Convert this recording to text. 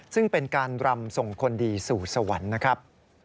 ซึ่งเป็นการรำส่งคนดีสู่สวรรค์นะครับ